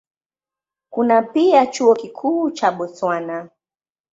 Kuna pia Chuo Kikuu cha Botswana.